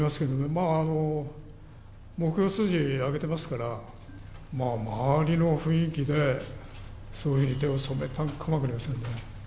まあ、目標数字あげてますから、まあ、周りの雰囲気で、そういうふうに手を染めたのかも分かりませんね。